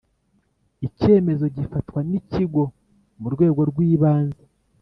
Icyemezo gifatwa n’ Ikigo mu rwego rwibanze